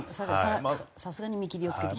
さすがに見切りをつけてきた？